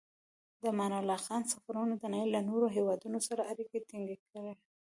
د امان الله خان سفرونو د نړۍ له نورو هېوادونو سره اړیکې ټینګې کړې.